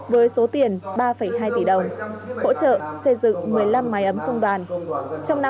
với số tiền ba hai tỷ đồng hỗ trợ xây dựng một mươi năm máy ấm công đoàn